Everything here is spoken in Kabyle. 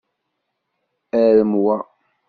Arem wa.